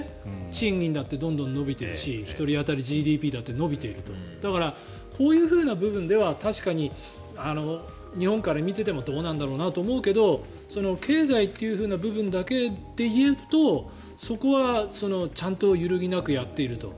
賃金だって伸びてるし１人当たりＧＤＰだって伸びてるしだから、こういう部分では確かに日本から見ていてもどうなんだろうなと思うけど経済の部分だけで言うとそこはちゃんと揺るぎなくやっていると。